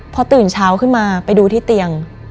พอตื่นเช้าขึ้นมาไปดูที่เตียง